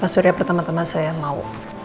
surya pertama tama saya mau